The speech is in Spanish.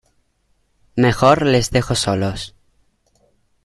mejor les dejo solos.